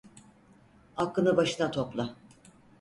Aklını başına topla!